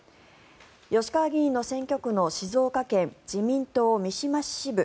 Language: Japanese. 吉川議員の選挙区の静岡県自民党三島市支部